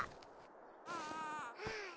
うん。